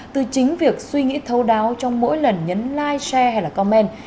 từ chính việc suy nghĩ thâu đáo trong mỗi lần nhấn like share hay comment